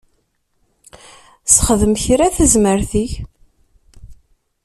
Sexdem kra tazmert-ik.